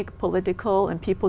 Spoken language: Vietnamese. và một cộng đồng